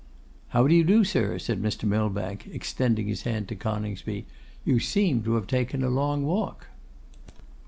'How do you do, sir,' said Mr. Millbank, extending his hand to Coningsby. 'You seem to have taken a long walk.